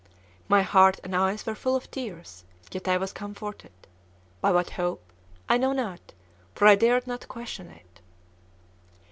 My heart and eyes were full of tears, yet I was comforted. By what hope? I know not, for I dared not question it.